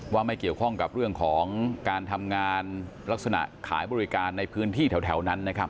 ว่าไม่เกี่ยวข้องกับเรื่องของการทำงานลักษณะขายบริการในพื้นที่แถวนั้นนะครับ